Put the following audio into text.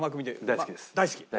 大好き？